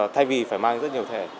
thay vì phải mang rất nhiều thẻ